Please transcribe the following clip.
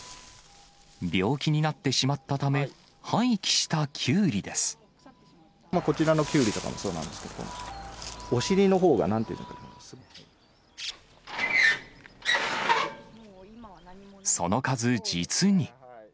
病気になってしまったため、こちらのきゅうりとかもそうなんですけれども、お尻のほうが、その数、実に。